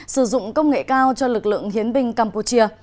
sử dụng công nghệ cao cho lực lượng hiến binh campuchia